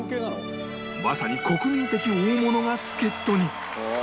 まさに国民的大物が助っ人に